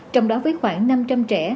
trong đó với khoảng năm trăm linh trẻ